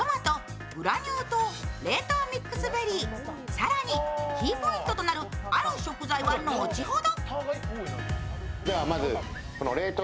更に、キーポイントとなるある食材は後ほど。